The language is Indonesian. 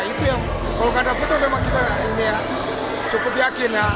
itu yang kalau kandang putra memang kita ini ya cukup yakin ya